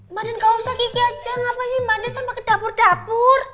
mbak dan gak usah gigi aja ngapa sih mbak dan sampai ke dapur dapur